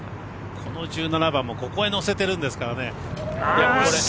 この１７番もここへ乗せてるんですからね。